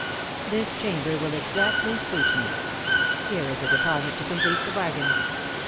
Merrill] "This chamber will exactly suit me. Here is a deposit to complete the bargain.